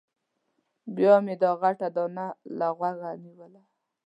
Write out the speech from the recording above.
بیا مې دا غټه دانه له غوږه ونیوه.